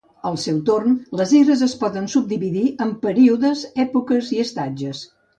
Al seu torn, les eres es poden subdividir en períodes, èpoques i estatges.